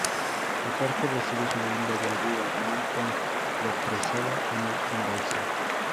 El parque recibe su nombre del río Nam Phong, represado en el embalse.